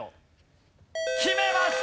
決めました！